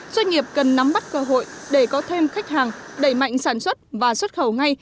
doanh nghiệp cần nắm bắt cơ hội để có thêm khách hàng đẩy mạnh sản xuất và xuất khẩu ngay